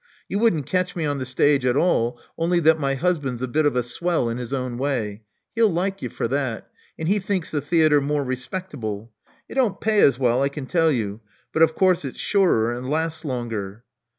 You wouldn't catch me on the stage at all, only that my husband's a bit of a swell in his own way — ^he'U like you for that — and he thinks the theatre more respectable. It don't pay as well, I can tell you; but of course it's surer and lasts longer.